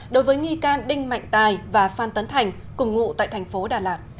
đối với nghi can đinh mạnh tài và phan tấn thành cùng ngụ tại thành phố đà lạt